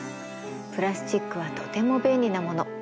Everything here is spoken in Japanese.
プラスチックはとても便利なもの。